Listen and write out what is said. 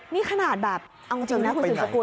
นี่ขนาดแบบเอาจริงนะคุณสืบสกุล